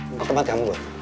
kok temen kamu bud